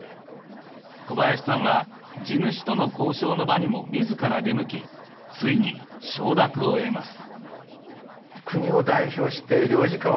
小林さんは地主との交渉の場にも自ら出向きついに承諾を得ます。